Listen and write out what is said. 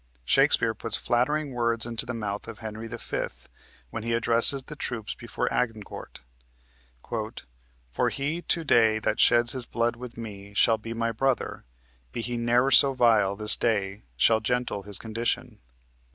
Shakespeare puts flattering words into the mouth of Henry V. when he addresses the troops before Agincourt: "For he to day that sheds his blood with me Shall be my brother; be he ne'er so vile This day shall gentle his condition."